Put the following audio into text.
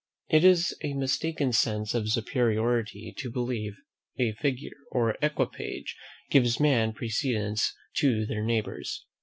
It is a mistaken sense of superiority to believe a figure, or equipage, gives men precedence to their neighbours.